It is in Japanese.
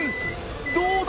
どうだ？